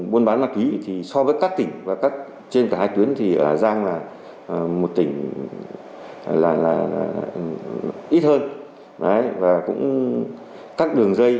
buôn bán mặt thúy thì so với các tỉnh và trên cả hai tuyến thì hà giang là một tỉnh ít hơn và cũng cắt đường dây